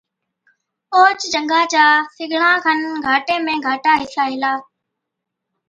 اوهچ جھنگا چا سِگڙان کن گھاٽي ۾ گھاٽا حِصا هِلا،